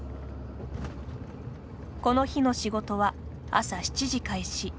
この日の仕事は朝７時開始。